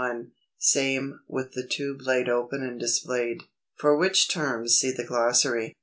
Same, with tube laid open and displayed.] 285. For which terms, see the Glossary.